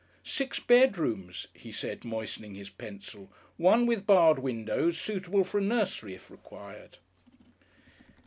"Six bedrooms," he said, moistening his pencil. "One with barred windows suitable for a nursery if required."